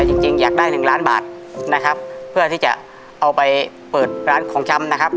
จริงจริงอยากได้หนึ่งล้านบาทนะครับเพื่อที่จะเอาไปเปิดร้านของชำนะครับ